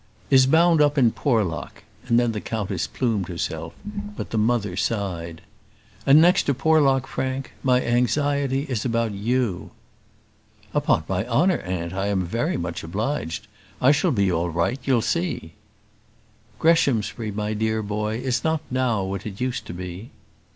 "Is bound up in Porlock:" and then the countess plumed herself; but the mother sighed. "And next to Porlock, Frank, my anxiety is about you." "Upon my honour, aunt, I am very much obliged. I shall be all right, you'll see." "Greshamsbury, my dear boy, is not now what it used to be."